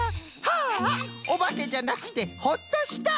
はあおばけじゃなくてほっとした！